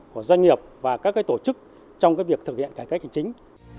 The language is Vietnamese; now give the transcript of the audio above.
của doanh nghiệp và các cái tổ chức trong cái việc thực hiện cải cách hành chính